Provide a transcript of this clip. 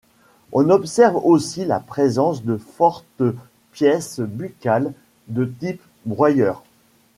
On observe aussi la présence de fortes pièces buccales de type broyeur.